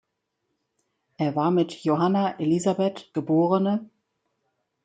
Er war mit Johanna Elisabeth geb.